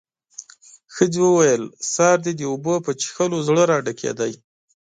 ښځې وويل: سهار دې د اوبو په څښلو زړه راډکېده.